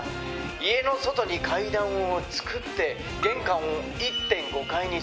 家の外に階段を作って玄関を１．５階にする。